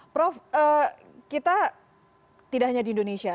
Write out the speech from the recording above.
prof kita tidak hanya di indonesia